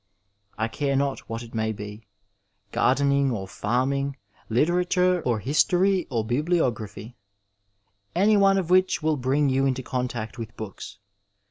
I care not what it may be; gardening or farming, literature or history or bibliography, any one of which will bring you into contact with books.